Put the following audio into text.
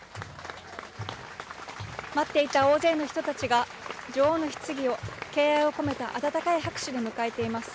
待っていた大勢の人たちが女王のひつぎを敬愛を込めた温かい拍手で迎えています。